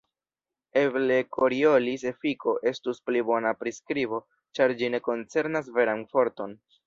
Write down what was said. Eble Koriolis-efiko estus pli bona priskribo, ĉar ĝi ne koncernas veran forton.